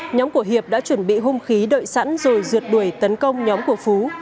nhóm của hiệp đã chuẩn bị hung khí đợi sẵn rồi dượt đuổi tấn công nhóm của phú